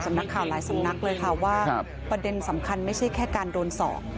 นักข่าวหลายสำนักเลยค่ะว่าประเด็นสำคัญไม่ใช่แค่การโดนสอบ